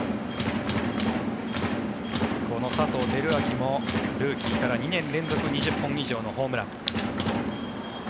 この佐藤輝明もルーキーから２年連続２０本以上のホームラン。